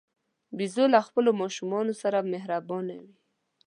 بیزو له خپلو ماشومانو سره مهربانه وي.